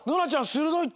するどいって。